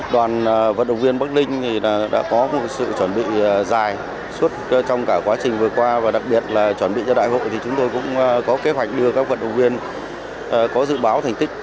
đoàn vận động viên bắc linh đã có một sự chuẩn bị dài suốt trong cả quá trình vừa qua và đặc biệt là chuẩn bị cho đại hội thì chúng tôi cũng có kế hoạch đưa các vận động viên có dự báo thành tích